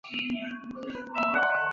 电动牙刷是牙刷的一种。